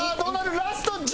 ラスト１０秒！